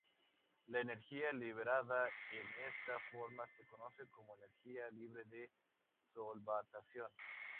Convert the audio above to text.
La energía liberada en esta forma se conoce como energía libre de solvatación.